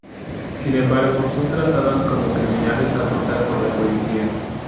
Sin embargo, son tratadas como criminales adultas por la policía.